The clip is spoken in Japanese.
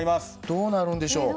どうなるんでしょう？